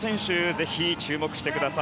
ぜひ注目してください。